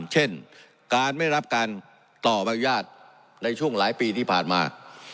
เช่นการไม่รับการต่อใบอนุญาตในช่วงหลายปีที่ผ่านมา